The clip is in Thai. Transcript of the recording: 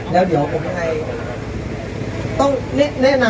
สวัสดีครับทุกคนวันนี้เกิดขึ้นทุกวันนี้นะครับ